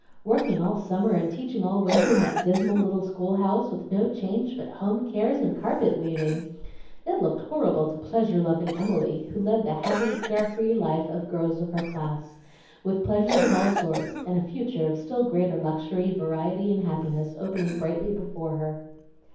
Working all summer and teaching all winter in that dismal little school house, with no change but home cares and carpet weaving! It looked horrible to pleasure loving Emily, who led the happy, care free life of girls of her class, with pleasures of all sorts, and a future of still greater luxury, variety, and happiness, opening brightly before her.